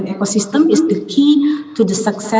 dan ekosistem adalah kunci